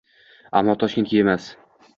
Ammo Toshkentga emas